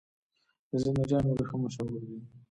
د زنده جان وریښم مشهور دي